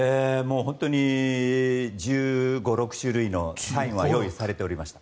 本当に１５１６種類のサインは用意されていました。